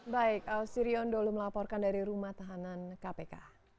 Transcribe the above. baik sirion dolo melaporkan dari rumah tahanan kpk